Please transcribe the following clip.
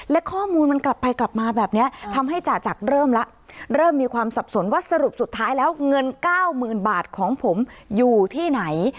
และข้อมูลมันกลับไปกลับมาแบบนี้ทำให้จ่าจักรเริ่มแล้วเริ่มมีความสับสนว่าสรุปสุดท้ายแล้วเงินเก้าหมื่นบาทของผมอยู่ที่ไหน